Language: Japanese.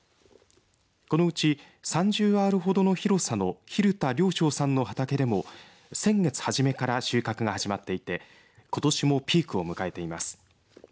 このうち３０アールほどの広さの蛭田良昇さんの畑でも先月初めから収穫が始まっていてことしもピークを迎えています。